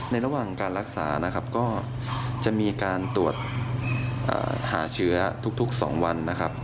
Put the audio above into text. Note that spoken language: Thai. ระหว่างการรักษานะครับก็จะมีการตรวจหาเชื้อทุก๒วันนะครับ